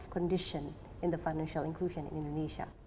kondisi keuangan di indonesia